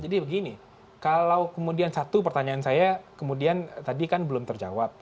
jadi begini kalau kemudian satu pertanyaan saya kemudian tadi kan belum terjawab